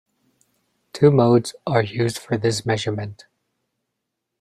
Two modes are used for this measurement.